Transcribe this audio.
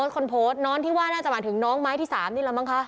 คนโพสต์น้อนที่ว่าน่าจะหมายถึงน้องไม้ที่๓นี่แหละมั้งคะ